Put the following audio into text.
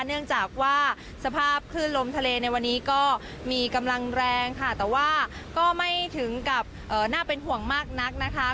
เนื่องจากว่าสภาพคลื่นลมทะเลในวันนี้ก็มีกำลังแรงค่ะแต่ว่าก็ไม่ถึงกับน่าเป็นห่วงมากนักนะคะ